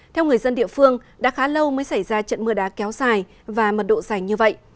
theo người dân địa phương đã khá lâu mới xảy ra trận mưa đá kéo dài và mật độ dài như vậy